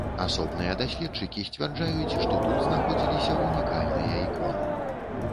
Асобныя даследчыкі сцвярджаюць, што тут знаходзіліся унікальныя іконы.